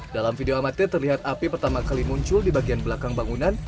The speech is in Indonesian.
dalam video amatir terlihat api pertama kali muncul di bagian belakang bangunan